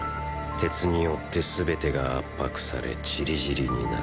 鉄によって全てが圧迫され散り散りになる。